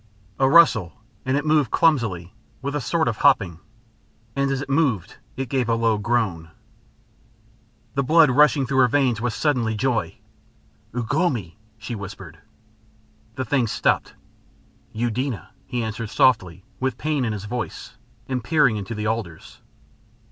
A rustle, and it moved clumsily, with a sort of hopping. And as it moved it gave a low groan. The blood rushing through her veins was suddenly joy. "Ugh lomi!" she whispered. The thing stopped. "Eudena," he answered softly with pain in his voice, and peering into the alders.